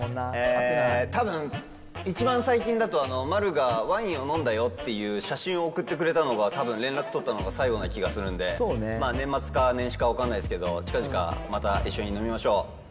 たぶん、一番最近だと、丸がワインを飲んだよっていう写真を送ってくれたのがたぶん、連絡取ったのが最後な気がするんで、年末か年始か分かんないですけど、近々また一緒に飲みましょう。